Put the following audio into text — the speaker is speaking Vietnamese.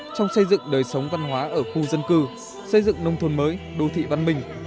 trong xây dựng đời sống văn hóa ở khu dân cư xây dựng nông thôn mới đô thị văn minh